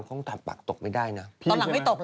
เขาต้องตามปากตกไม่ได้นะ